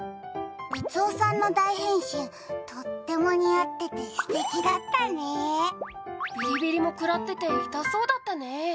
哲夫さんの大変身、とっても似合っててすてきだたｔねビリビリもくらってて痛そうだったね。